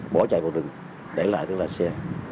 bỏ chạy vào đường để lại xe